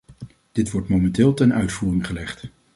Dit wordt momenteel ten uitvoering gelegd.